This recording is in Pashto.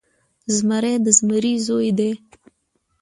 زمری د زمري زوی دی.